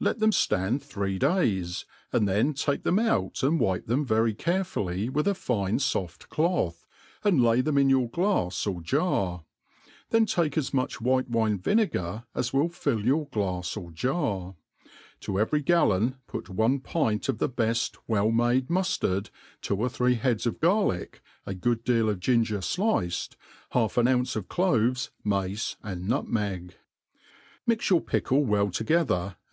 Let them ftand three days, and then take them out and wipe them very carefuUy with a fine ibft cloth, and lay them in your glafs or \kx^ th^A take as nluch white wiiie vinegar as will fill your glafs 4)r jar t to every gallon put one pint of the beft well made muf tard, t^o or three heaida of ^arlick, a good deal of ginger fliceid, halfaa ouncex>f gloves, , mace, and nutmeg; mi}( your pickle ^ell together, and